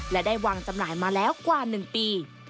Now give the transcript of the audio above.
และได้วางจำหน่ายมาแล้วกว่า๑ปี